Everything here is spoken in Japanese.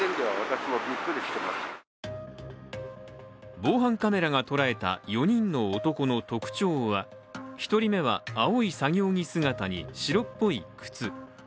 防犯カメラが捉えた４人の男の特徴は１人目は青い作業着姿に白っぽい靴。